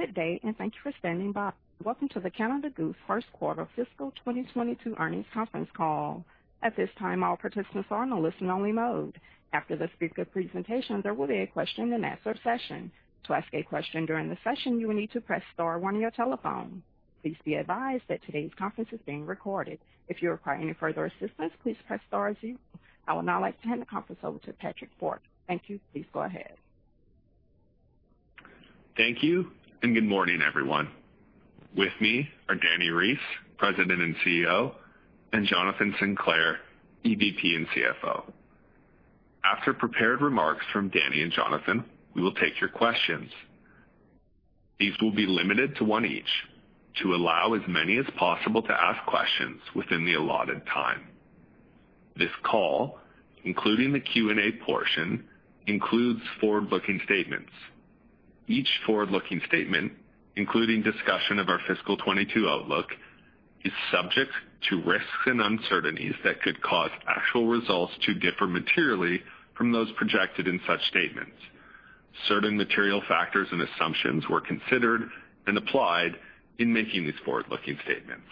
Good day, and thank you for standing by. Welcome to the Canada Goose first-quarter fiscal 2022 earnings conference call. At this time, all participants are on a listen-only mode. After the speaker presentation, there will be a question-and-answer session. To ask a question during the session, you will need to press star one on your telephone. Please be advised that today's conference is being recorded. If you require any further assistance, please press star zero. I would now like to hand the conference over to Patrick Bourke. Thank you. Please go ahead. Thank you, and good morning, everyone. With me are Dani Reiss, President and CEO, and Jonathan Sinclair, EVP and CFO. After prepared remarks from Dani and Jonathan, we will take your questions. These will be limited to one each to allow as many as possible to ask questions within the allotted time. This call, including the Q&A portion, includes forward-looking statements. Each forward-looking statement, including discussion of our fiscal 2022 outlook, is subject to risks and uncertainties that could cause actual results to differ materially from those projected in such statements. Certain material factors and assumptions were considered and applied in making these forward-looking statements.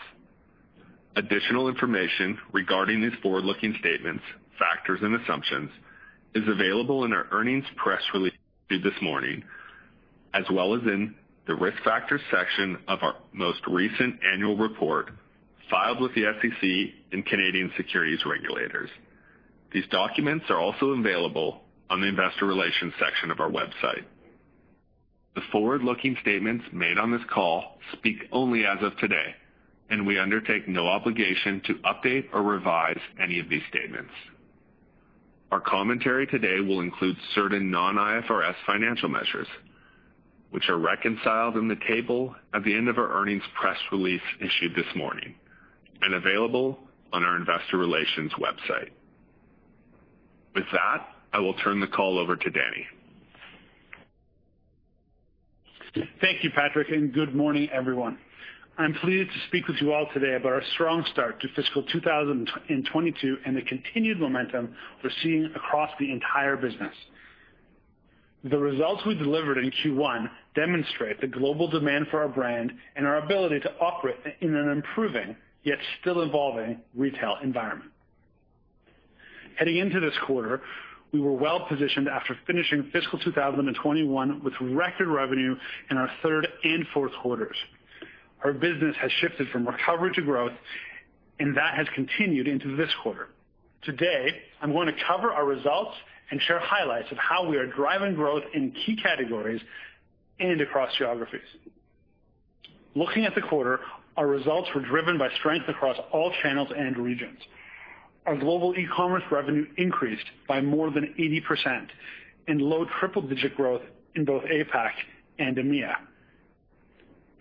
Additional information regarding these forward-looking statements, factors, and assumptions is available in our earnings press release issued this morning, as well as in the risk factors section of our most recent annual report filed with the SEC and Canadian securities regulators. These documents are also available on the investor relations section of our website. The forward-looking statements made on this call speak only as of today, and we undertake no obligation to update or revise any of these statements. Our commentary today will include certain non-IFRS financial measures, which are reconciled in the table at the end of our earnings press release issued this morning and available on our investor relations website. With that, I will turn the call over to Dani. Thank you, Patrick, and good morning, everyone. I'm pleased to speak with you all today about our strong start to fiscal 2022 and the continued momentum we're seeing across the entire business. The results we delivered in Q1 demonstrate the global demand for our brand and our ability to operate in an improving, yet still evolving, retail environment. Heading into this quarter, we were well-positioned after finishing fiscal 2021 with record revenue in our third and fourth quarters. Our business has shifted from recovery to growth, and that has continued into this quarter. Today, I'm going to cover our results and share highlights of how we are driving growth in key categories and across geographies. Looking at the quarter, our results were driven by strength across all channels and regions. Our global e-commerce revenue increased by more than 80% in low triple-digit growth in both APAC and EMEA.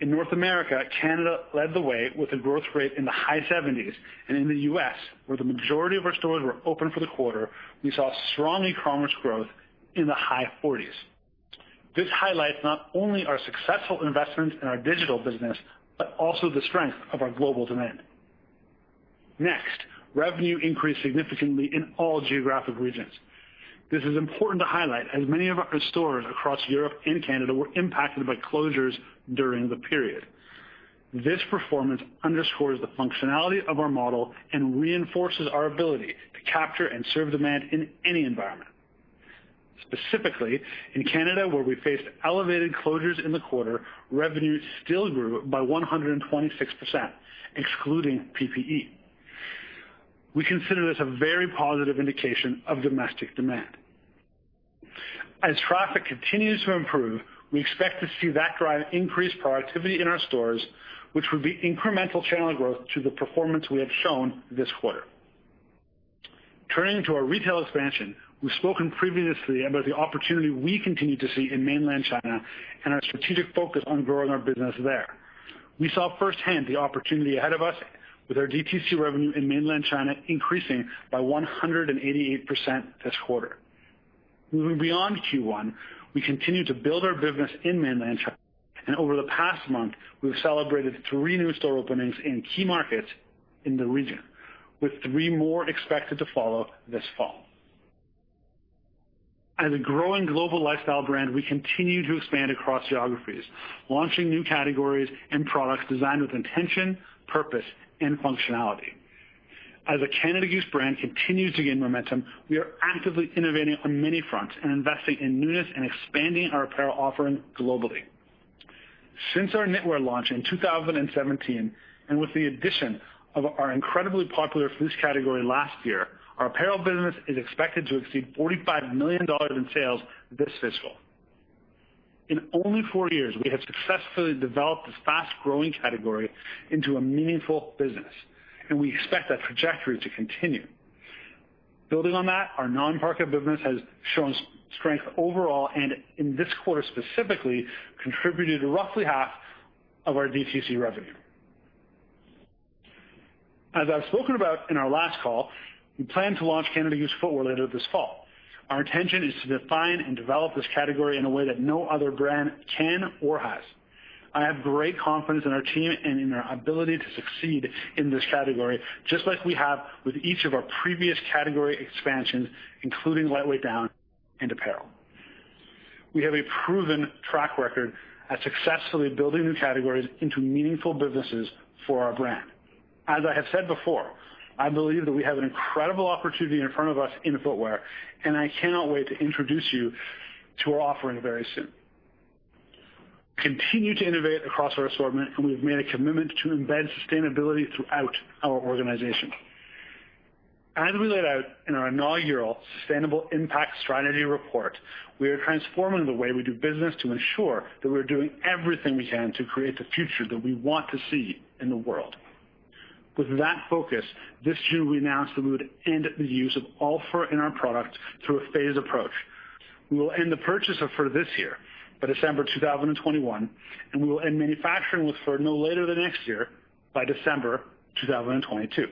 In North America, Canada led the way with a growth rate in the high 70s and in the U.S., where the majority of our stores were open for the quarter, we saw strong e-commerce growth in the high 40s. This highlights not only our successful investment in our digital business but also the strength of our global demand. Next, revenue increased significantly in all geographic regions. This is important to highlight, as many of our stores across Europe and Canada were impacted by closures during the period. This performance underscores the functionality of our model and reinforces our ability to capture and serve demand in any environment. Specifically in Canada, where we faced elevated closures in the quarter, revenue still grew by 126%, excluding PPE. We consider this a very positive indication of domestic demand. As traffic continues to improve, we expect to see that drive increased productivity in our stores, which would be incremental channel growth to the performance we have shown this quarter. Turning to our retail expansion, we've spoken previously about the opportunity we continue to see in mainland China and our strategic focus on growing our business there. We saw firsthand the opportunity ahead of us with our DTC revenue in mainland China increasing by 188% this quarter. Moving beyond Q1, we continue to build our business in mainland China, and over the past month, we've celebrated three new store openings in key markets in the region, with three more expected to follow this fall. As a growing global lifestyle brand, we continue to expand across geographies, launching new categories and products designed with intention, purpose, and functionality. As the Canada Goose brand continues to gain momentum, we are actively innovating on many fronts and investing in newness and expanding our apparel offering globally. Since our knitwear launch in 2017, and with the addition of our incredibly popular fleece category last year, our apparel business is expected to exceed 45 million dollars in sales this fiscal. In only four years, we have successfully developed this fast-growing category into a meaningful business, and we expect that trajectory to continue. Building on that, our non-parka business has shown strength overall and, in this quarter, specifically contributed roughly half of our DTC revenue. As I've spoken about in our last call, we plan to launch Canada Goose footwear later this fall. Our intention is to define and develop this category in a way that no other brand can or has. I have great confidence in our team and in their ability to succeed in this category, just like we have with each of our previous category expansions, including lightweight down and apparel. We have a proven track record at successfully building new categories into meaningful businesses for our brand. As I have said before, I believe that we have an incredible opportunity in front of us in footwear, and I cannot wait to introduce you to our offering very soon. Continue to innovate across our assortment, and we have made a commitment to embed sustainability throughout our organization. As we laid out in our inaugural Sustainable Impact Strategy report, we are transforming the way we do business to ensure that we're doing everything we can to create the future that we want to see in the world. With that focus, this June, we announced that we would end the use of all fur in our product through a phased approach. We will end the purchase of fur this year, by December 2021, and we will end manufacturing with fur no later than next year by December 2022.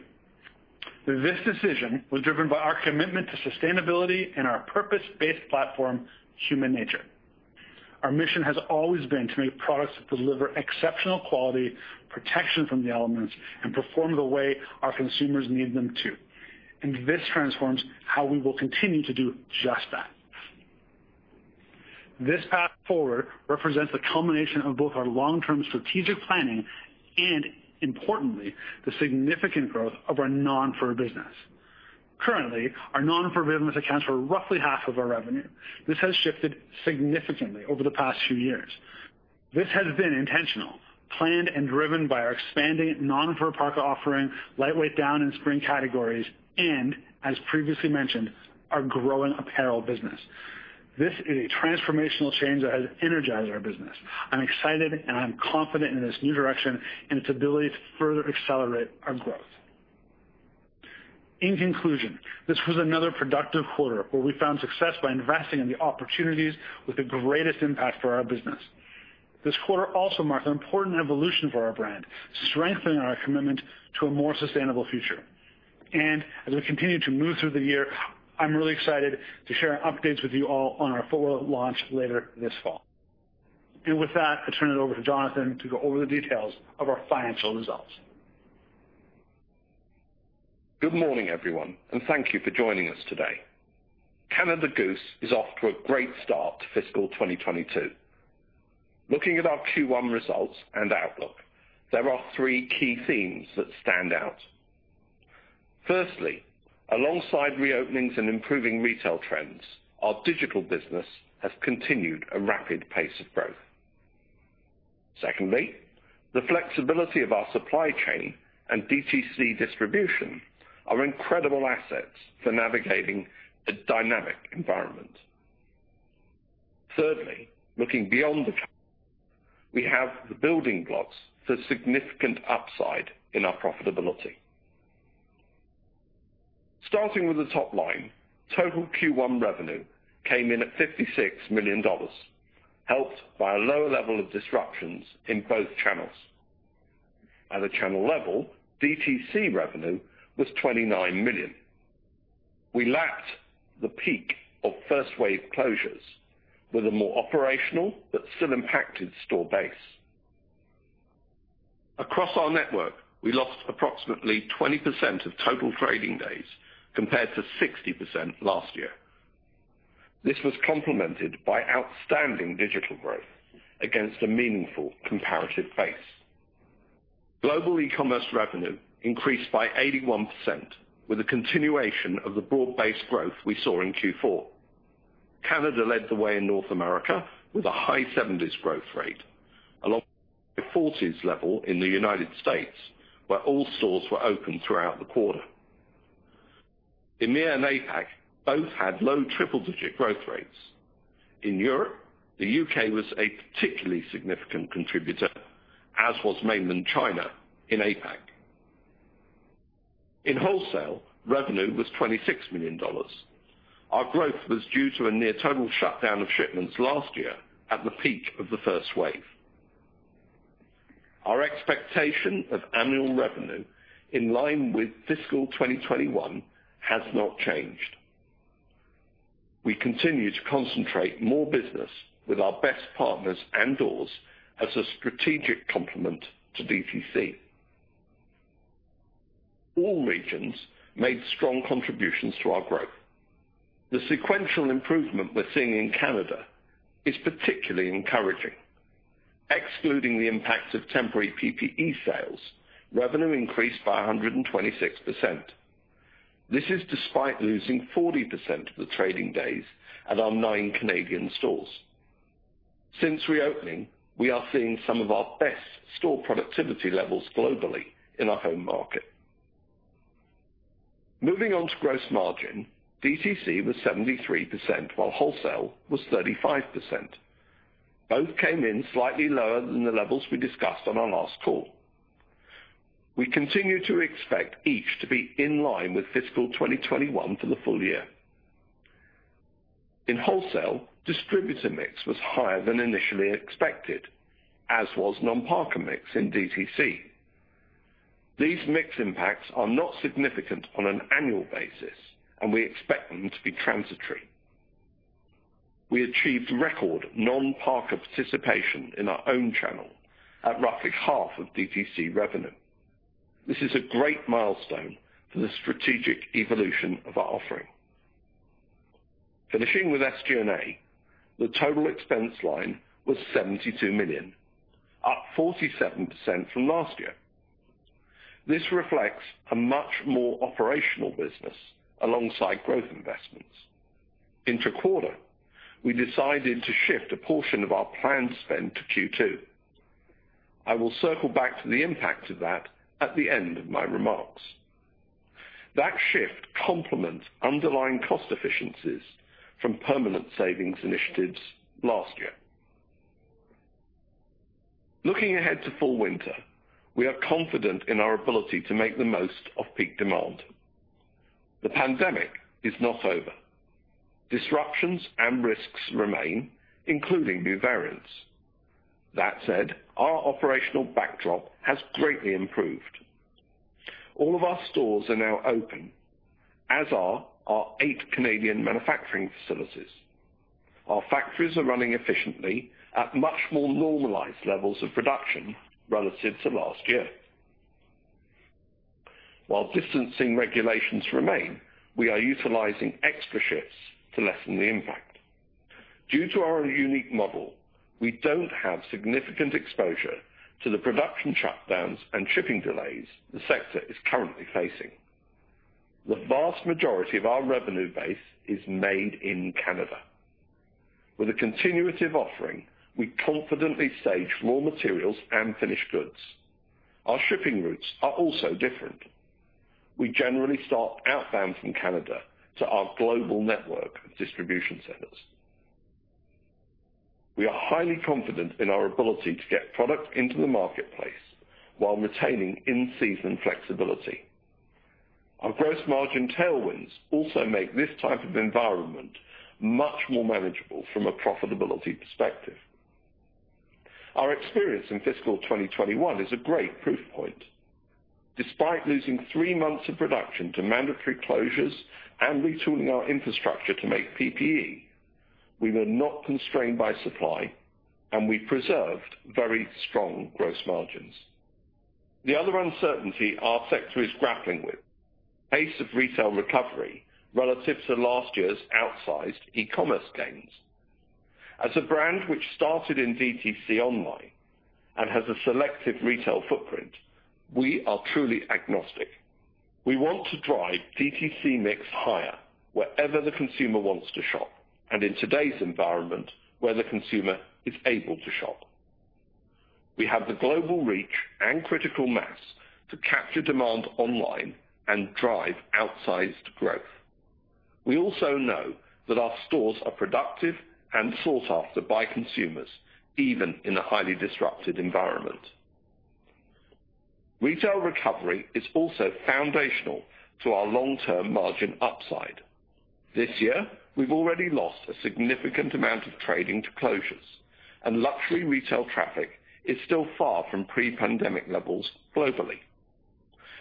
This decision was driven by our commitment to sustainability and our purpose-based platform, HUMANATURE. Our mission has always been to make products that deliver exceptional quality, protection from the elements, and perform the way our consumers need them to. This transforms how we will continue to do just that. This path forward represents a culmination of both our long-term strategic planning and, importantly, the significant growth of our non-fur business. Currently, our non-fur business accounts for roughly half of our revenue. This has shifted significantly over the past few years. This has been intentional, planned, and driven by our expanding non-fur parka offering, lightweight down and spring categories, and, as previously mentioned, our growing apparel business. This is a transformational change that has energized our business. I'm excited, and I'm confident in this new direction and its ability to further accelerate our growth. In conclusion, this was another productive quarter where we found success by investing in the opportunities with the greatest impact for our business. This quarter also marked an important evolution for our brand, strengthening our commitment to a more sustainable future. As we continue to move through the year, I'm really excited to share updates with you all on our footwear launch later this fall. With that, I turn it over to Jonathan to go over the details of our financial results. Good morning, everyone, and thank you for joining us today. Canada Goose is off to a great start to fiscal 2022. Looking at our Q1 results and outlook, there are three key themes that stand out. Firstly, alongside reopenings and improving retail trends, our digital business has continued a rapid pace of growth. Secondly, the flexibility of our supply chain and DTC distribution are incredible assets for navigating a dynamic environment. Thirdly, looking beyond the...we have the building blocks for significant upside in our profitability. Starting with the top line, total Q1 revenue came in at 56 million dollars, helped by a lower level of disruptions in both channels. At a channel level, DTC revenue was 29 million. We lapped the peak of first wave closures with a more operational but still impacted store base. Across our network, we lost approximately 20% of total trading days compared to 60% last year. This was complemented by outstanding digital growth against a meaningful comparative base. Global e-commerce revenue increased by 81%, with a continuation of the broad-based growth we saw in Q4. Canada led the way in North America with a high 70s growth rate, along with a 40s level in the United States, where all stores were open throughout the quarter. EMEA and APAC both had low double-digit growth rates. In Europe, the U.K. was a particularly significant contributor, as was mainland China in APAC. In wholesale, revenue was 26 million dollars. Our growth was due to a near-total shutdown of shipments last year at the peak of the first wave. Our expectation of annual revenue in line with fiscal 2021 has not changed. We continue to concentrate more business with our best partners and doors as a strategic complement to DTC. All regions made strong contributions to our growth. The sequential improvement we're seeing in Canada is particularly encouraging. Excluding the impact of temporary PPE sales, revenue increased by 126%. This is despite losing 40% of the trading days at our nine Canadian stores. Since reopening, we are seeing some of our best store productivity levels globally in our home market. Moving on to gross margin, DTC was 73%, while wholesale was 35%. Both came in slightly lower than the levels we discussed on our last call. We continue to expect each to be in line with fiscal 2021 for the full year. In wholesale, distributor mix was higher than initially expected, as was non-parka mix in DTC. These mix impacts are not significant on an annual basis, and we expect them to be transitory. We achieved record non-parka participation in our own channel at roughly half of DTC revenue. This is a great milestone for the strategic evolution of our offering. Finishing with SGA, the total expense line was 72 million, up 47% from last year. This reflects a much more operational business alongside growth investments. Inter-quarter, we decided to shift a portion of our planned spend to Q2. I will circle back to the impact of that at the end of my remarks. That shift complements underlying cost efficiencies from permanent savings initiatives last year. Looking ahead to fall/winter, we are confident in our ability to make the most of peak demand. The pandemic is not over. Disruptions and risks remain, including new variants. That said, our operational backdrop has greatly improved. All of our stores are now open, as are our eight Canadian manufacturing facilities. Our factories are running efficiently at much more normalized levels of production relative to last year. While distancing regulations remain, we are utilizing extra shifts to lessen the impact. Due to our unique model, we don't have significant exposure to the production shutdowns and shipping delays the sector is currently facing. The vast majority of our revenue base is made in Canada. With a continuative offering, we confidently stage raw materials and finished goods. Our shipping routes are also different. We generally start outbound from Canada to our global network of distribution centers. We are highly confident in our ability to get product into the marketplace while retaining in-season flexibility. Our gross margin tailwinds also make this type of environment much more manageable from a profitability perspective. Our experience in fiscal 2021 is a great proof point. Despite losing three months of production to mandatory closures and retooling our infrastructure to make PPE, we were not constrained by supply, and we preserved very strong gross margins. The other uncertainty our sector is grappling with, pace of retail recovery relative to last year's outsized e-commerce gains. As a brand which started in DTC online and has a selective retail footprint, we are truly agnostic. We want to drive DTC mix higher wherever the consumer wants to shop, and in today's environment, where the consumer is able to shop. We have the global reach and critical mass to capture demand online and drive outsized growth. We also know that our stores are productive and sought after by consumers, even in a highly disrupted environment. Retail recovery is also foundational to our long-term margin upside. This year, we've already lost a significant amount of trading to closures, and luxury retail traffic is still far from pre-pandemic levels globally.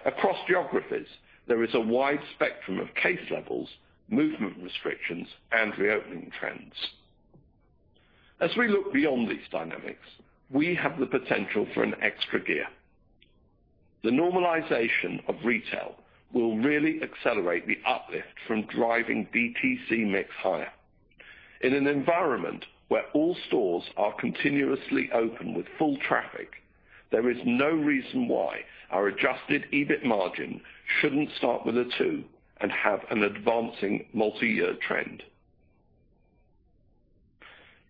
Across geographies, there is a wide spectrum of case levels, movement restrictions, and reopening trends. As we look beyond these dynamics, we have the potential for an extra gear. The normalization of retail will really accelerate the uplift from driving DTC mix higher. In an environment where all stores are continuously open with full traffic, there is no reason why our adjusted EBIT margin shouldn't start with a two and have an advancing multi-year trend.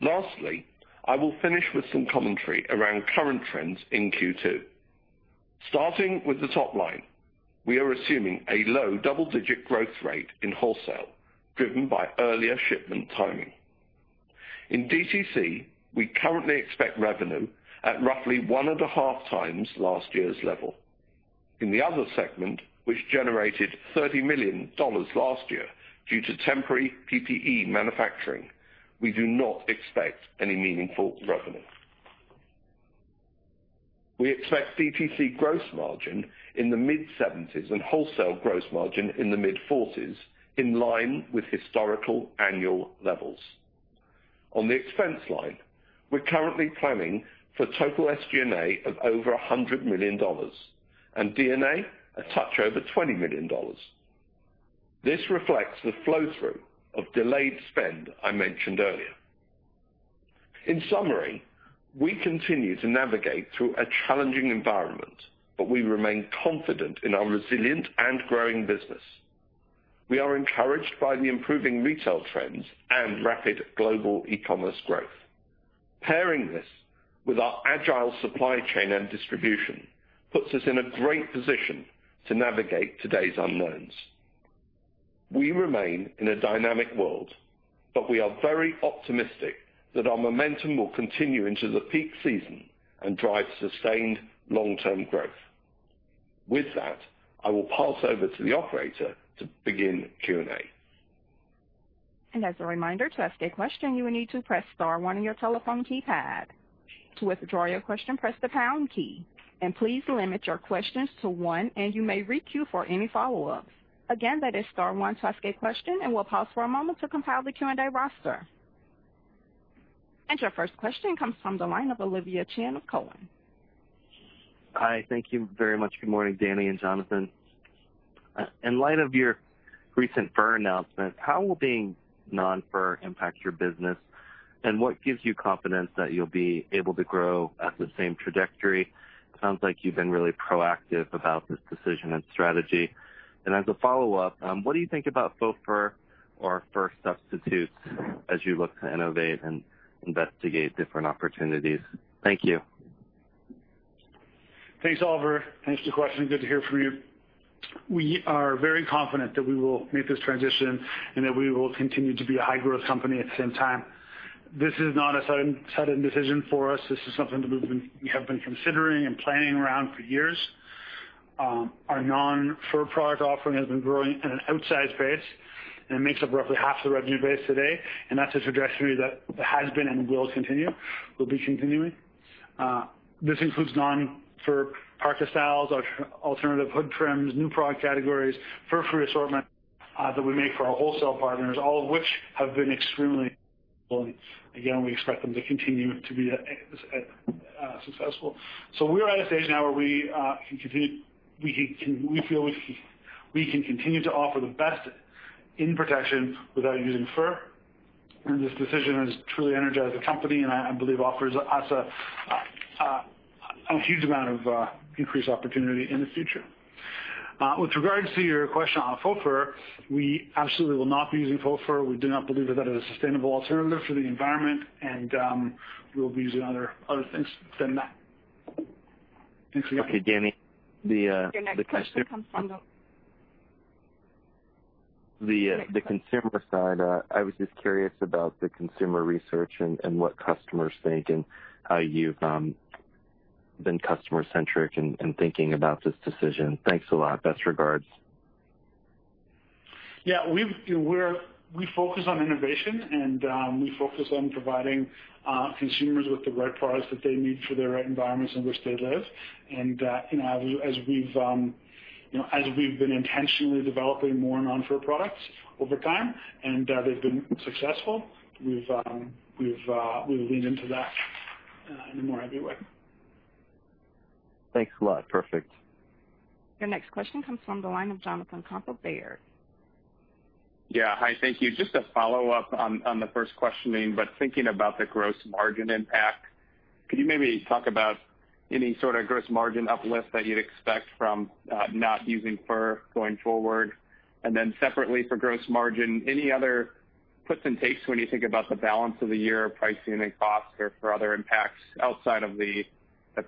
Lastly, I will finish with some commentary around current trends in Q2. Starting with the top line, we are assuming a low double-digit growth rate in wholesale, driven by earlier shipment timing. In DTC, we currently expect revenue at roughly 1.5x last year's level. In the other segment, which generated 30 million dollars last year due to temporary PPE manufacturing, we do not expect any meaningful revenue. We expect DTC gross margin in the mid-70s and wholesale gross margin in the mid-40s, in line with historical annual levels. On the expense line, we're currently planning for total SGA of over 100 million dollars and D&A a touch over 20 million dollars. This reflects the flow-through of delayed spend I mentioned earlier. In summary, we continue to navigate through a challenging environment, but we remain confident in our resilient and growing business. We are encouraged by the improving retail trends and rapid global e-commerce growth. Pairing this with our agile supply chain and distribution puts us in a great position to navigate today's unknowns. We remain in a dynamic world, we are very optimistic that our momentum will continue into the peak season and drive sustained long-term growth. With that, I will pass over to the operator to begin Q&A. As a reminder, to ask a question, you will need to press star one on your telephone keypad. To withdraw your question, press the pound key, and please limit your questions to one, and you may re-cue for any follow-ups. Again, that is star one to ask a question, and we'll pause a moment to compile the Q&A roster. Your first question comes from the line of Oliver Chen of Cowen. Hi. Thank you very much. Good morning, Dani and Jonathan. In light of your recent fur announcement, how will being non-fur impact your business, and what gives you confidence that you'll be able to grow at the same trajectory? It sounds like you've been really proactive about this decision and strategy. As a follow-up, what do you think about faux fur or fur substitutes as you look to innovate and investigate different opportunities? Thank you. Thanks, Oliver. Thanks for the question. Good to hear from you. We are very confident that we will make this transition and that we will continue to be a high-growth company at the same time. This is not a sudden decision for us. This is something that we have been considering and planning around for years. Our non-fur product offering has been growing at an outsized pace and makes up roughly half the revenue base today. That's a trajectory that has been and will be continuing. This includes non-fur parka styles, alternative hood trims, new product categories, fur-free assortment that we make for our wholesale partners, all of which have been extremely. Again, we expect them to continue to be successful. We are at a stage now where we feel we can continue to offer the best in protection without using fur, and this decision has truly energized the company, and I believe offers us a huge amount of increased opportunity in the future. With regards to your question on faux fur, we absolutely will not be using faux fur. We do not believe that is a sustainable alternative for the environment, and we'll be using other things than that. Thanks again. Okay, Dani. Your next question comes from- The consumer side. I was just curious about the consumer research and what customers think, and how you've been customer-centric in thinking about this decision. Thanks a lot. Best regards. Yeah. We focus on innovation, and we focus on providing consumers with the right products that they need for their environments in which they live. As we've been intentionally developing more non-fur products over time, and they've been successful, we lean into that in a more heavy way. Thanks a lot. Perfect. Your next question comes from the line of Jonathan Komp of Baird. Yeah. Hi. Thank you. Just a follow-up on the first questioning, but thinking about the gross margin impact, could you maybe talk about any sort of gross margin uplift that you'd expect from not using fur going forward? Separately for gross margin, any other puts and takes when you think about the balance of the year pricing and cost or for other impacts outside of the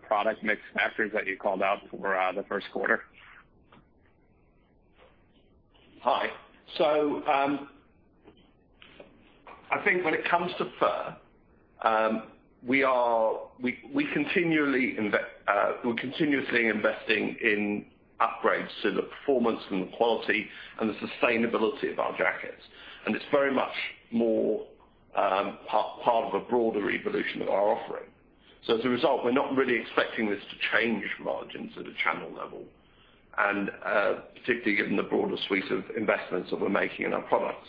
product mix factors that you called out for the first quarter? Hi. I think when it comes to fur, we're continuously investing in upgrades to the performance, and the quality and the sustainability of our jackets, and it's very much more part of a broader evolution of our offering. As a result, we're not really expecting this to change margins at a channel level, and particularly given the broader suite of investments that we're making in our products.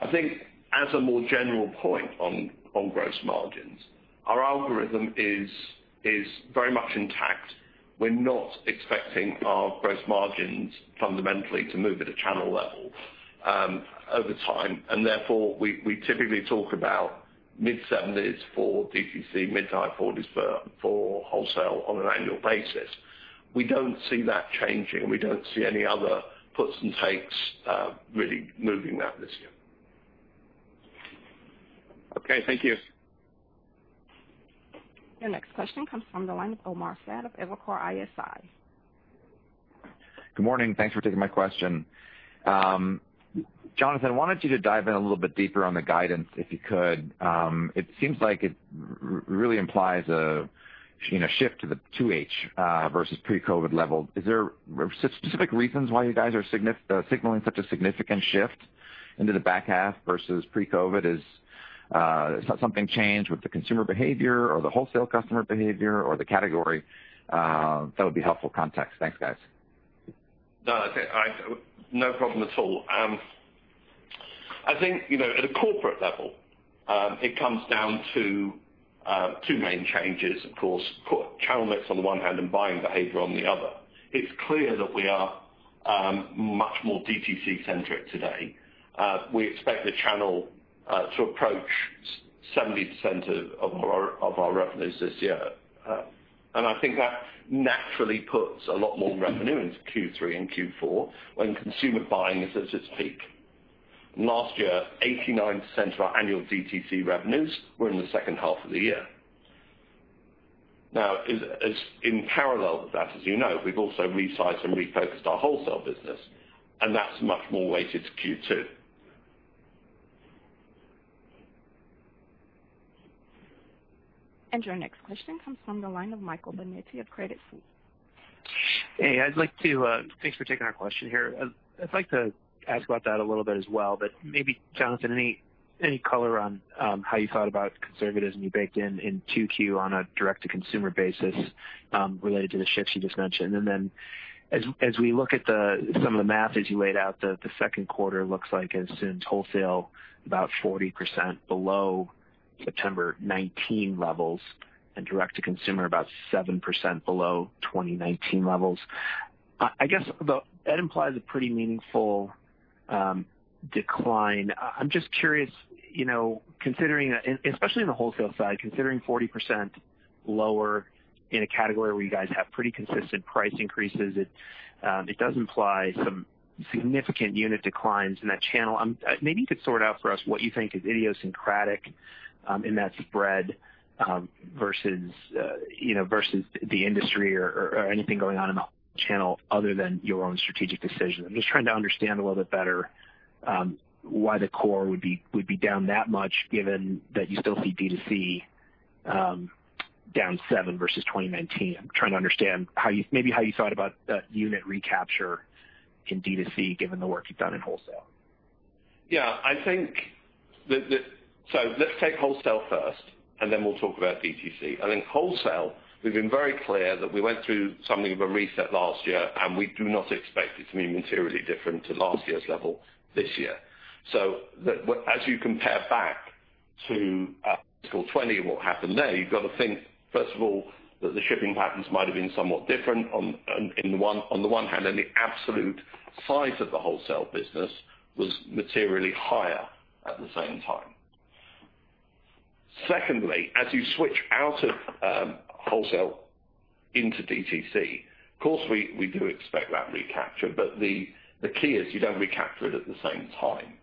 I think, as a more general point on gross margins, our algorithm is very much intact. We're not expecting our gross margins fundamentally to move at a channel level over time, and therefore we typically talk about mid-70s for DTC, mid-to-high 40s per for wholesale on an annual basis. We don't see that changing. We don't see any other puts and takes really moving that this year. Okay. Thank you. Your next question comes from the line of Omar Saad of Evercore ISI. Good morning. Thanks for taking my question. Jonathan, I wanted you to dive in a little bit deeper on the guidance, if you could. It seems like it really implies a shift to the 2H versus pre-COVID level. Is there specific reasons why you guys are signaling such a significant shift into the back half versus pre-COVID? Has something changed with the consumer behavior or the wholesale customer behavior or the category? That would be helpful context. Thanks, guys. No problem at all. I think, at a corporate level, it comes down to two main changes, of course, channel mix on the one hand and buying behavior on the other. It's clear that we are much more DTC-centric today. We expect the channel to approach 70% of our revenues this year. I think that naturally puts a lot more revenue into Q3 and Q4 when consumer buying is at its peak. Last year, 89% of our annual DTC revenues were in the second half of the year. Now, in parallel with that, as you know, we've also resized and refocused our wholesale business, and that's much more weighted to Q2. Your next question comes from the line of Michael Binetti of Credit Suisse. Hey, thanks for taking our question here. I'd like to ask about that a little bit as well, but maybe, Jonathan, any color on how you thought about conservatism you baked in in 2Q on a direct-to-consumer basis related to the shifts you just mentioned? As we look at some of the math that you laid out, the second quarter looks like as in wholesale, about 40% below September 2019 levels and direct-to-consumer about 7% below 2019 levels. I guess that implies a pretty meaningful decline. I'm just curious, especially on the wholesale side, considering 40% lower in a category where you guys have pretty consistent price increases, it does imply some significant unit declines in that channel. Maybe you could sort out for us what you think is idiosyncratic in that spread versus the industry or anything going on in the channel other than your own strategic decisions. I'm just trying to understand a little bit better why the core would be down that much, given that you still see D2C down seven versus 2019. I'm trying to understand, maybe, how you thought about unit recapture in D2C, given the work you've done in wholesale. Yeah. Let's take wholesale first, and then we'll talk about D2C. I think wholesale, we've been very clear that we went through something of a reset last year, and we do not expect it to be materially different to last year's level this year. As you compare back to fiscal 2020, what happened there, you've got to think, first of all, that the shipping patterns might have been somewhat different on the one hand, and the absolute size of the wholesale business was materially higher at the same time. Secondly, as you switch out of wholesale into D2C, of course, we do expect that recapture, but the key is you don't recapture it at the same time.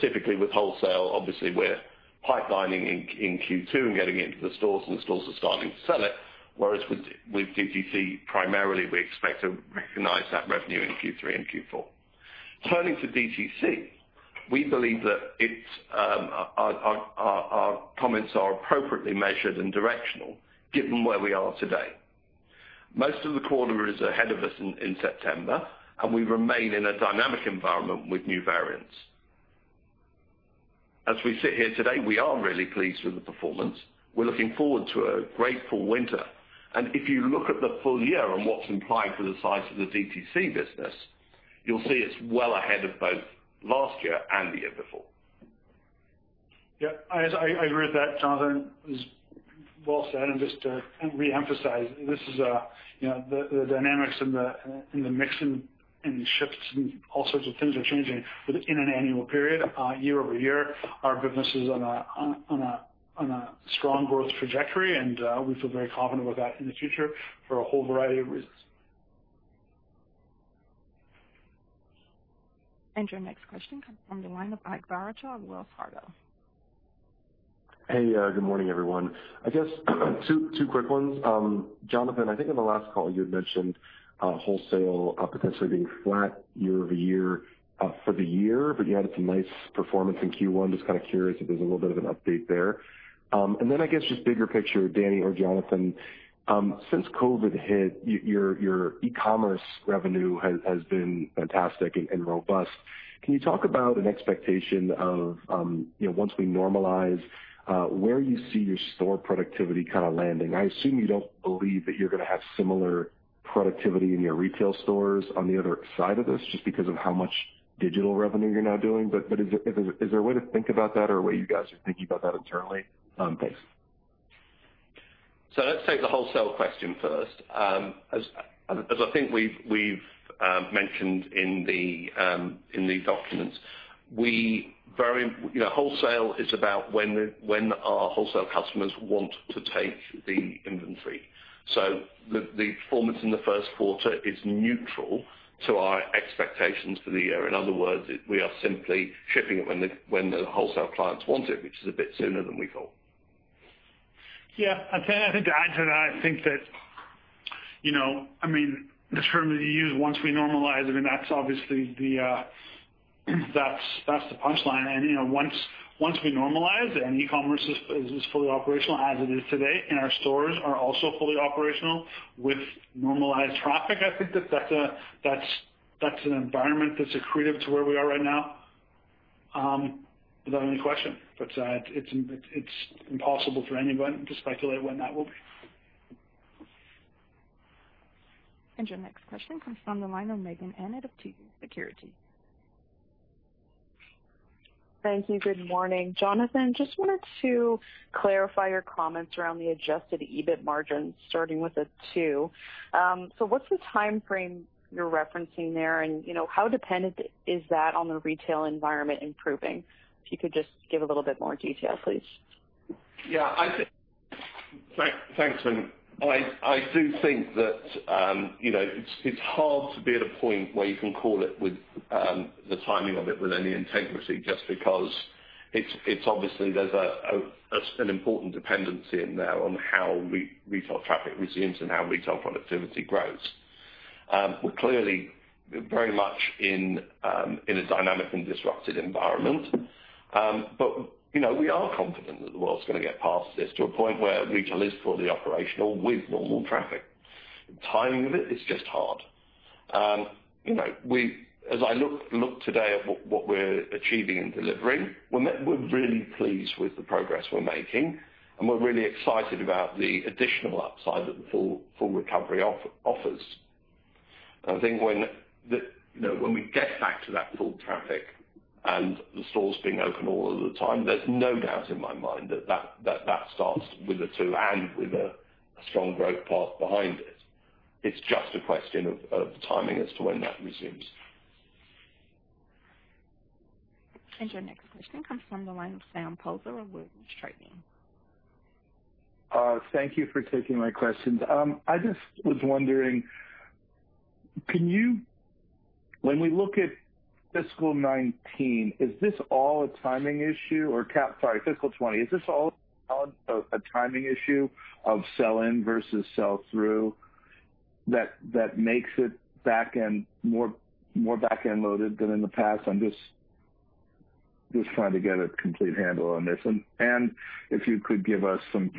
Typically, with wholesale, obviously, we're pipelining in Q2 and getting it into the stores, and the stores are starting to sell it. Whereas with D2C, primarily, we expect to recognize that revenue in Q3 and Q4. Turning to D2C, we believe that our comments are appropriately measured and directional given where we are today. Most of the quarter is ahead of us in September, and we remain in a dynamic environment with new variants. As we sit here today, we are really pleased with the performance. We're looking forward to a great full winter. If you look at the full year and what's implied for the size of the D2C business, you'll see it's well ahead of both last year and the year before. Yeah. I agree with that, Jonathan. It was well said. Just to reemphasize, the dynamics and the mix and the shifts and all sorts of things are changing within an annual period. Year-over-year, our business is on a strong growth trajectory, and we feel very confident about that in the future for a whole variety of reasons. Your next question comes from the line of Ike Boruchow of Wells Fargo. Hey, good morning, everyone. I guess two quick ones. Jonathan, I think on the last call, you had mentioned wholesale potentially being flat year-over-year for the year, but you had some nice performance in Q1. Just kind of curious if there's a little bit of an update there. I guess just bigger picture, Dani or Jonathan. Since COVID-19 hit, your e-commerce revenue has been fantastic and robust. Can you talk about an expectation of, once we normalize, where you see your store productivity landing? I assume you don't believe that you're going to have similar productivity in your retail stores on the other side of this, just because of how much digital revenue you're now doing. Is there a way to think about that or a way you guys are thinking about that internally? Thanks. Let's take the wholesale question first. As I think we've mentioned in the documents, wholesale is about when our wholesale customers want to take the inventory. The performance in the first quarter is neutral to our expectations for the year. In other words, we are simply shipping it when the wholesale clients want it, which is a bit sooner than we thought. Yeah. Ike, I think to add to that, I think that the term that you used, once we normalize, I mean, that's the punchline. Once we normalize and e-commerce is fully operational as it is today, and our stores are also fully operational with normalized traffic, I think that's an environment that's accretive to where we are right now, without any question. It's impossible for anyone to speculate when that will be. Your next question comes from the line of Meaghen Annett of TD Securities. Thank you. Good morning. Jonathan, just wanted to clarify your comments around the adjusted EBIT margin, starting with the two. What's the timeframe you're referencing there, and how dependent is that on the retail environment improving? If you could just give a little bit more detail, please. Yeah. Thanks, Meaghen. I do think that it's hard to be at a point where you can call it with the timing of it with any integrity, just because obviously there's an important dependency in there on how retail traffic resumes and how retail productivity grows. We're clearly very much in a dynamic and disrupted environment. We are confident that the world's going to get past this to a point where retail is fully operational with normal traffic. The timing of it is just hard. As I look today at what we're achieving and delivering, we're really pleased with the progress we're making, and we're really excited about the additional upside that the full recovery offers. I think when we get back to that full traffic and the stores being open all of the time, there's no doubt in my mind that starts with a two and with a strong growth path behind it. It's just a question of timing as to when that resumes. Your next question comes from the line of Sam Poser of Williams Trading. Thank you for taking my questions. I just was wondering, when we look at fiscal 2019, is this all a timing issue? Or sorry, fiscal 2020. Is this all a timing issue of sell-in versus sell-through that makes it more back-end loaded than in the past? I'm just trying to get a complete handle on this. If you could give us some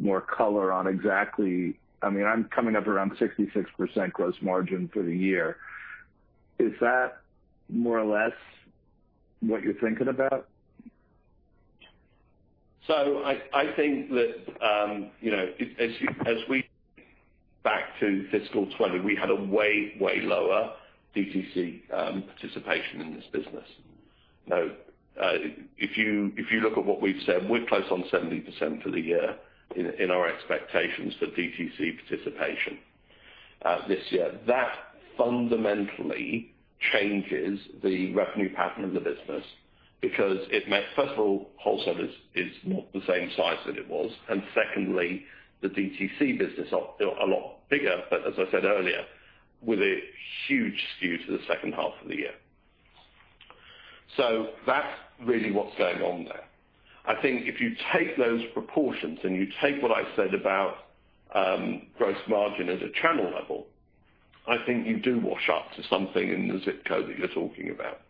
more color on exactly, I mean I'm coming up around 66% gross margin for the year. Is that more or less what you're thinking about? I think that as we back to fiscal 2020, we had a way lower DTC participation in this business. If you look at what we've said, we're close on 70% for the year in our expectations for DTC participation this year. That fundamentally changes the revenue pattern of the business because it makes, first of all, wholesalers is not the same size that it was. Secondly, the DTC business are a lot bigger. As I said earlier, with a huge skew to the second half of the year. That's really what's going on there. I think if you take those proportions and you take what I said about gross margin at a channel level, I think you do wash up to something in the zip code that you're talking about.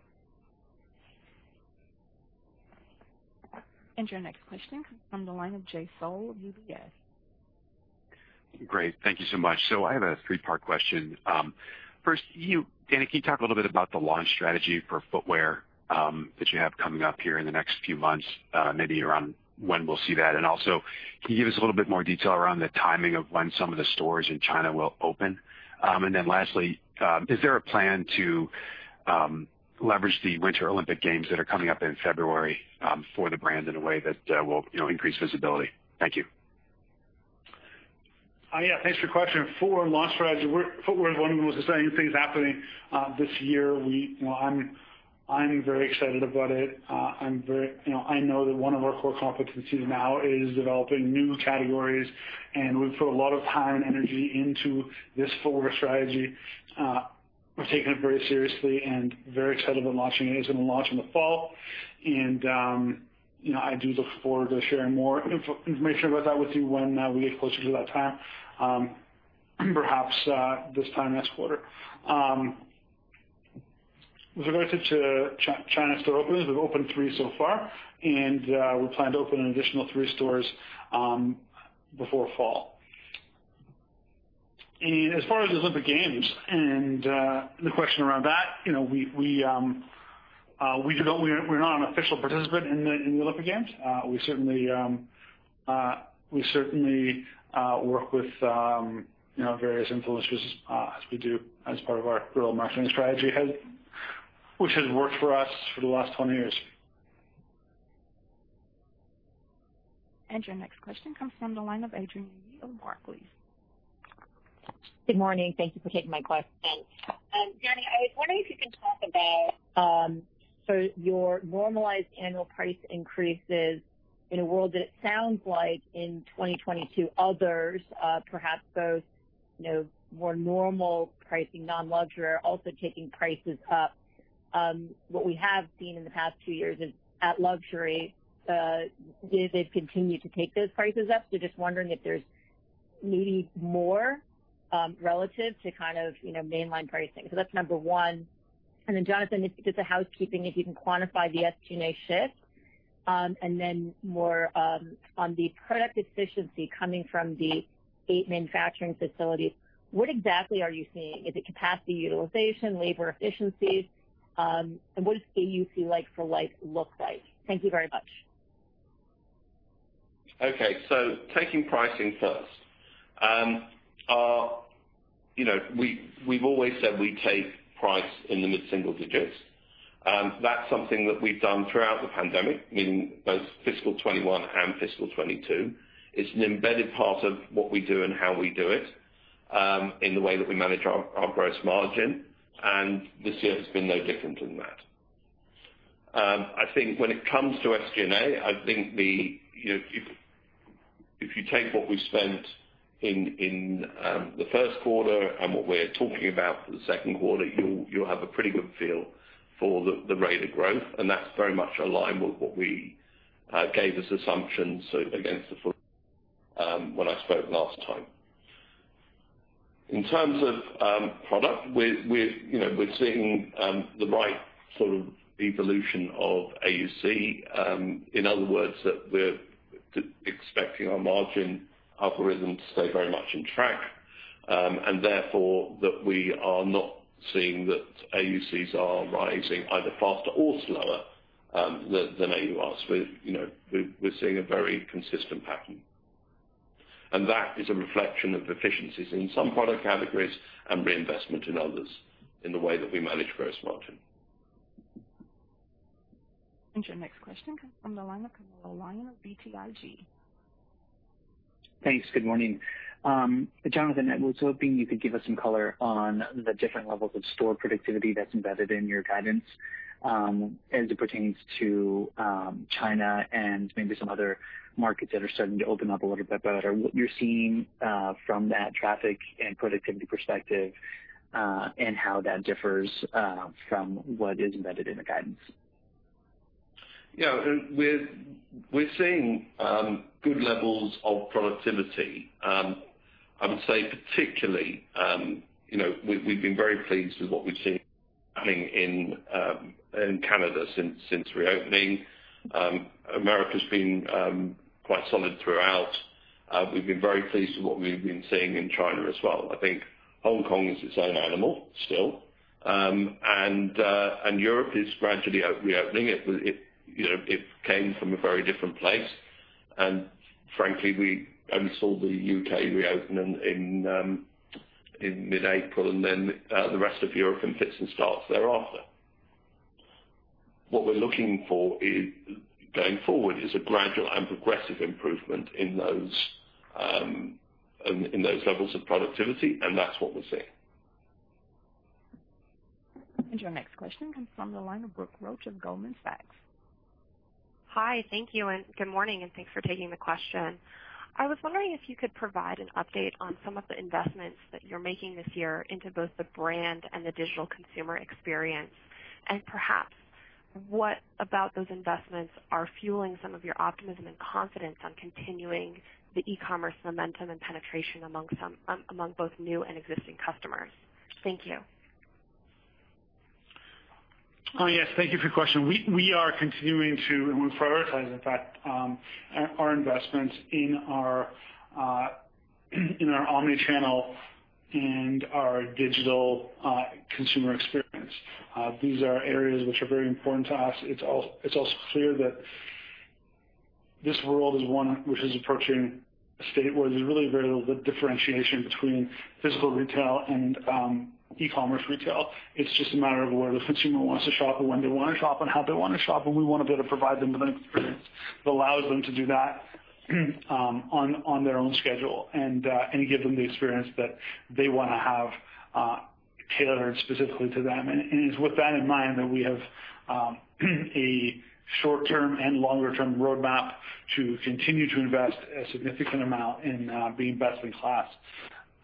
Your next question comes from the line of Jay Sole of UBS. Great. Thank you so much. I have a three-part question. First, Dani, can you talk a little bit about the launch strategy for footwear that you have coming up here in the next few months, maybe around when we'll see that? Also, can you give us a little bit more detail around the timing of when some of the stores in China will open? Lastly, is there a plan to leverage the Winter Olympic Games that are coming up in February for the brand in a way that will increase visibility? Thank you. Yeah, thanks for your question. For launch strategy, footwear is one of the most exciting things happening this year. I'm very excited about it. I know that one of our core competencies now is developing new categories, and we put a lot of time and energy into this forward strategy. We're taking it very seriously and very excited about launching it. It's going to launch in the fall. I do look forward to sharing more information about that with you when we get closer to that time. Perhaps, this time next quarter. With regards to China store openings, we've opened three so far, and we plan to open an additional three stores before fall. As far as the Olympic Games and the question around that, we're not an official participant in the Olympic Games. We certainly work with various influencers as part of our overall marketing strategy, which has worked for us for the last 20 years. Your next question comes from the line of Adrienne Yih of Barclays. Good morning. Thank you for taking my question. Dani, I was wondering if you can talk about your normalized annual price increases in a world that it sounds like, in 2022, others, perhaps those more normal pricing, non-luxury, are also taking prices up. What we have seen in the past two years is at luxury, they've continued to take those prices up. Just wondering if there's maybe more relative to kind of mainline pricing. That's number one. Jonathan, just a housekeeping, if you can quantify the SG&A shift. More on the product efficiency coming from the eight manufacturing facilities. What exactly are you seeing? Is it capacity utilization, labor efficiencies? What does AUC like-for-like look like? Thank you very much. Okay. Taking pricing first. We've always said we take price in the mid-single digits. That's something that we've done throughout the pandemic, meaning both fiscal 2021 and fiscal 2022. It's an embedded part of what we do and how we do it, in the way that we manage our gross margin. This year has been no different than that. I think when it comes to SG&A, I think if you take what we spent in the first quarter and what we're talking about for the second quarter, you'll have a pretty good feel for the rate of growth, and that's very much aligned with what we gave as assumptions against the full. When I spoke last time. In terms of product, we're seeing the right sort of evolution of AUC. In other words, that we're expecting our margin algorithm to stay very much on track, and therefore, that we are not seeing that AUCs are rising either faster or slower than AURs. We're seeing a very consistent pattern. That is a reflection of efficiencies in some product categories and reinvestment in others in the way that we manage gross margin. Your next question comes from the line of Camilo Lyon, BTIG. Thanks. Good morning. Jonathan, I was hoping you could give us some color on the different levels of store productivity that's embedded in your guidance as it pertains to China and maybe some other markets that are starting to open up a little bit better. What you're seeing from that traffic and productivity perspective, and how that differs from what is embedded in the guidance? Yeah. We're seeing good levels of productivity. I would say, particularly, we've been very pleased with what we've seen happening in Canada since reopening. America's been quite solid throughout. We've been very pleased with what we've been seeing in China as well. I think Hong Kong is its own animal still. Europe is gradually reopening. It came from a very different place, and frankly, we only saw the U.K. reopen in mid-April, and then the rest of Europe in fits and starts thereafter. What we're looking for going forward is a gradual and progressive improvement in those levels of productivity, and that's what we're seeing. Your next question comes from the line of Brooke Roach of Goldman Sachs. Hi. Thank you, and good morning, and thanks for taking the question. I was wondering if you could provide an update on some of the investments that you're making this year into both the brand and the digital consumer experience, and perhaps what about those investments are fueling some of your optimism and confidence on continuing the e-commerce momentum and penetration among both new and existing customers. Thank you. Yes. Thank you for your question. We are continuing to, and we prioritize, in fact, our investments in our omni-channel and our digital consumer experience. These are areas which are very important to us. It's also clear that this world is one which is approaching a state where there's really very little differentiation between physical retail and e-commerce retail. It's just a matter of where the consumer wants to shop and when they want to shop, and how they want to shop, and we want to be able to provide them with an experience that allows them to do that on their own schedule, and give them the experience that they want to have, tailored specifically to them. It is with that in mind that we have a short-term and longer-term roadmap to continue to invest a significant amount in being best in class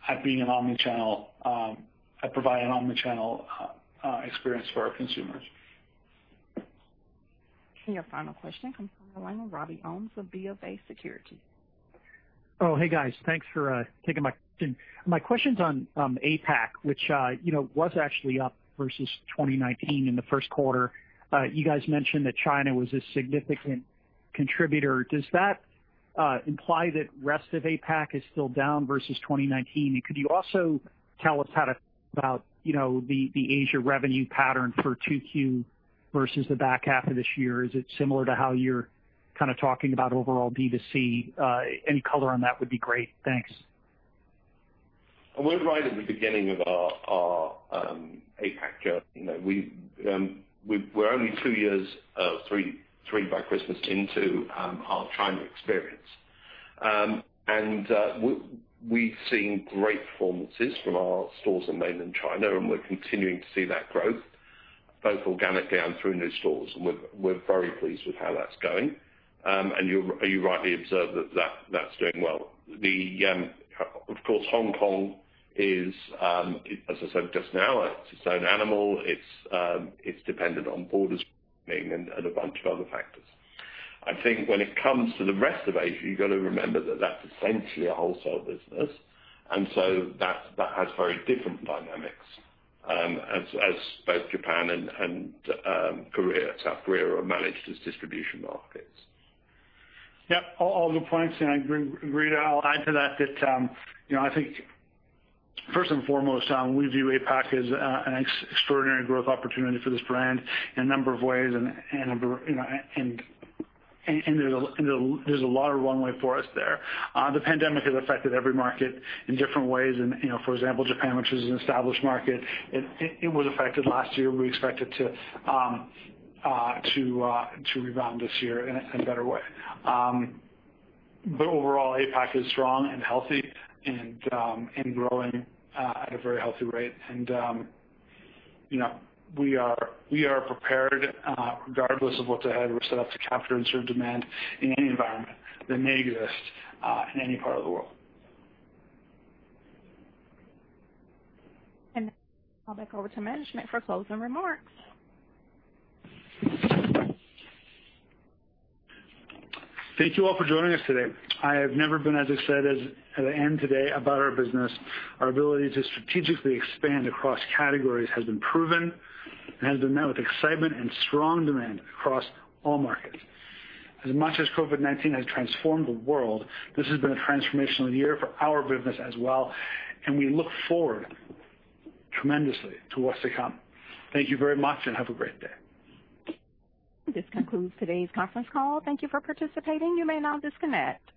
at being an omni-channel at providing omni-channel experience for our consumers. Your final question comes from the line of Robert Ohmes of BofA Securities. Oh, hey, guys. Thanks for taking my question. My question's on APAC, which was actually up versus 2019 in the first quarter. You guys mentioned that China was a significant contributor. Does that imply that rest of APAC is still down versus 2019? Could you also tell us how to think about the Asia revenue pattern for 2Q versus the back half of this year? Is it similar to how you're kind of talking about overall D2C? Any color on that would be great. Thanks. We're right at the beginning of our APAC journey. We're only two years, three by Christmas, into our China experience. We've seen great performances from our stores in mainland China. We're continuing to see that growth, both organically and through new stores. We're very pleased with how that's going. You rightly observed that that's doing well. Of course, Hong Kong is, as I said just now, it's its own animal. It's dependent on borders opening and a bunch of other factors. I think when it comes to the rest of Asia, you've got to remember that that's essentially a wholesale business, so that has very different dynamics, as both Japan and South Korea are managed as distribution markets. Yeah. All good points, and I agree. I'll add to that, I think first and foremost, we view APAC as an extraordinary growth opportunity for this brand in a number of ways, and there's a lot of runway for us there. The pandemic has affected every market in different ways, and, for example, Japan, which is an established market, it was affected last year. We expect it to rebound this year in a better way. Overall, APAC is strong and healthy and growing at a very healthy rate. We are prepared regardless of what's ahead; we're set up to capture and serve demand in any environment that may exist in any part of the world. Now back over to management for closing remarks. Thank you all for joining us today. I have never been as excited as at the end today about our business. Our ability to strategically expand across categories has been proven and has been met with excitement and strong demand across all markets. As much as COVID-19 has transformed the world, this has been a transformational year for our business as well, and we look forward tremendously to what's to come. Thank you very much, and have a great day. This concludes today's conference call. Thank you for participating. You may now disconnect.